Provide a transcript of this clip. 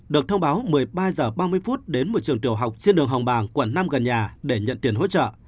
được thông báo một mươi ba h ba mươi đến một trường tiểu học trên đường hồng bàng quận năm gần nhà để nhận tiền hỗ trợ